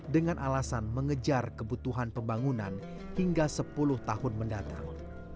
dengan alasan mengejar kebutuhan pembangunan hingga sepuluh tahun mendatang